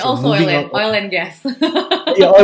paling tinggi di indonesia